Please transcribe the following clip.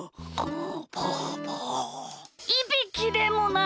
いびきでもないよ！